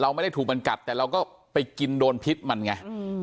ไม่ได้ถูกมันกัดแต่เราก็ไปกินโดนพิษมันไง